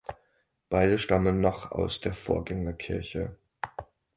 Beide stammen noch aus der Vorgängerkirche.